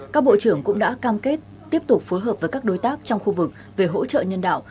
các bộ trưởng cũng đã cam kết tiếp tục phối hợp với các đối tác trong khu vực về hỗ trợ nhân đạo